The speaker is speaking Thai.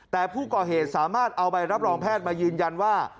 แต่ผู้ก่อเหตุสามารถเอาใบรับรองแพทย์มายืนยันว่า